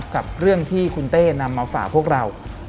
กับเรื่องที่คุณเต้นำมาฝากพวกเรา